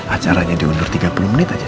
acaranya diundur tiga puluh menit aja